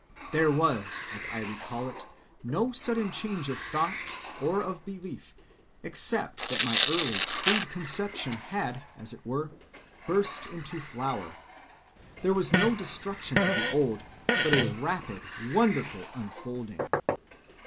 There was, as I recall it, no sudden change of thought or of belief, except that my early crude conception had, as it were, burst into flower. There was no destruction of the old, but a rapid, wonderful unfolding.